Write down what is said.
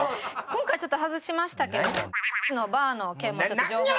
今回ちょっと外しましたけどものバーの件もちょっと情報。